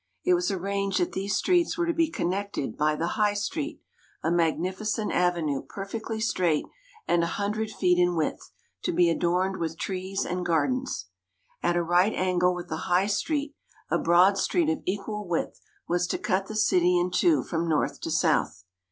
It was arranged that these streets were to be connected by the High Street, a magnificent avenue perfectly straight and a hundred feet in width, to be adorned with trees and gardens. At a right angle with the High Street a broad street of equal width was to cut the city in two from north to south.